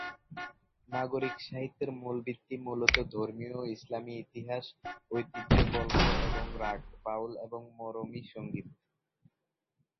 নাগরী সাহিত্যের মূল ভিত্তি মূলত ধর্মীয়, ইসলামী ইতিহাস, ঐতিহ্য, গল্প এবং রাগ, বাউল এবং মরমী সংগীত।